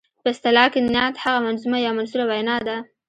په اصطلاح کې نعت هغه منظومه یا منثوره وینا ده.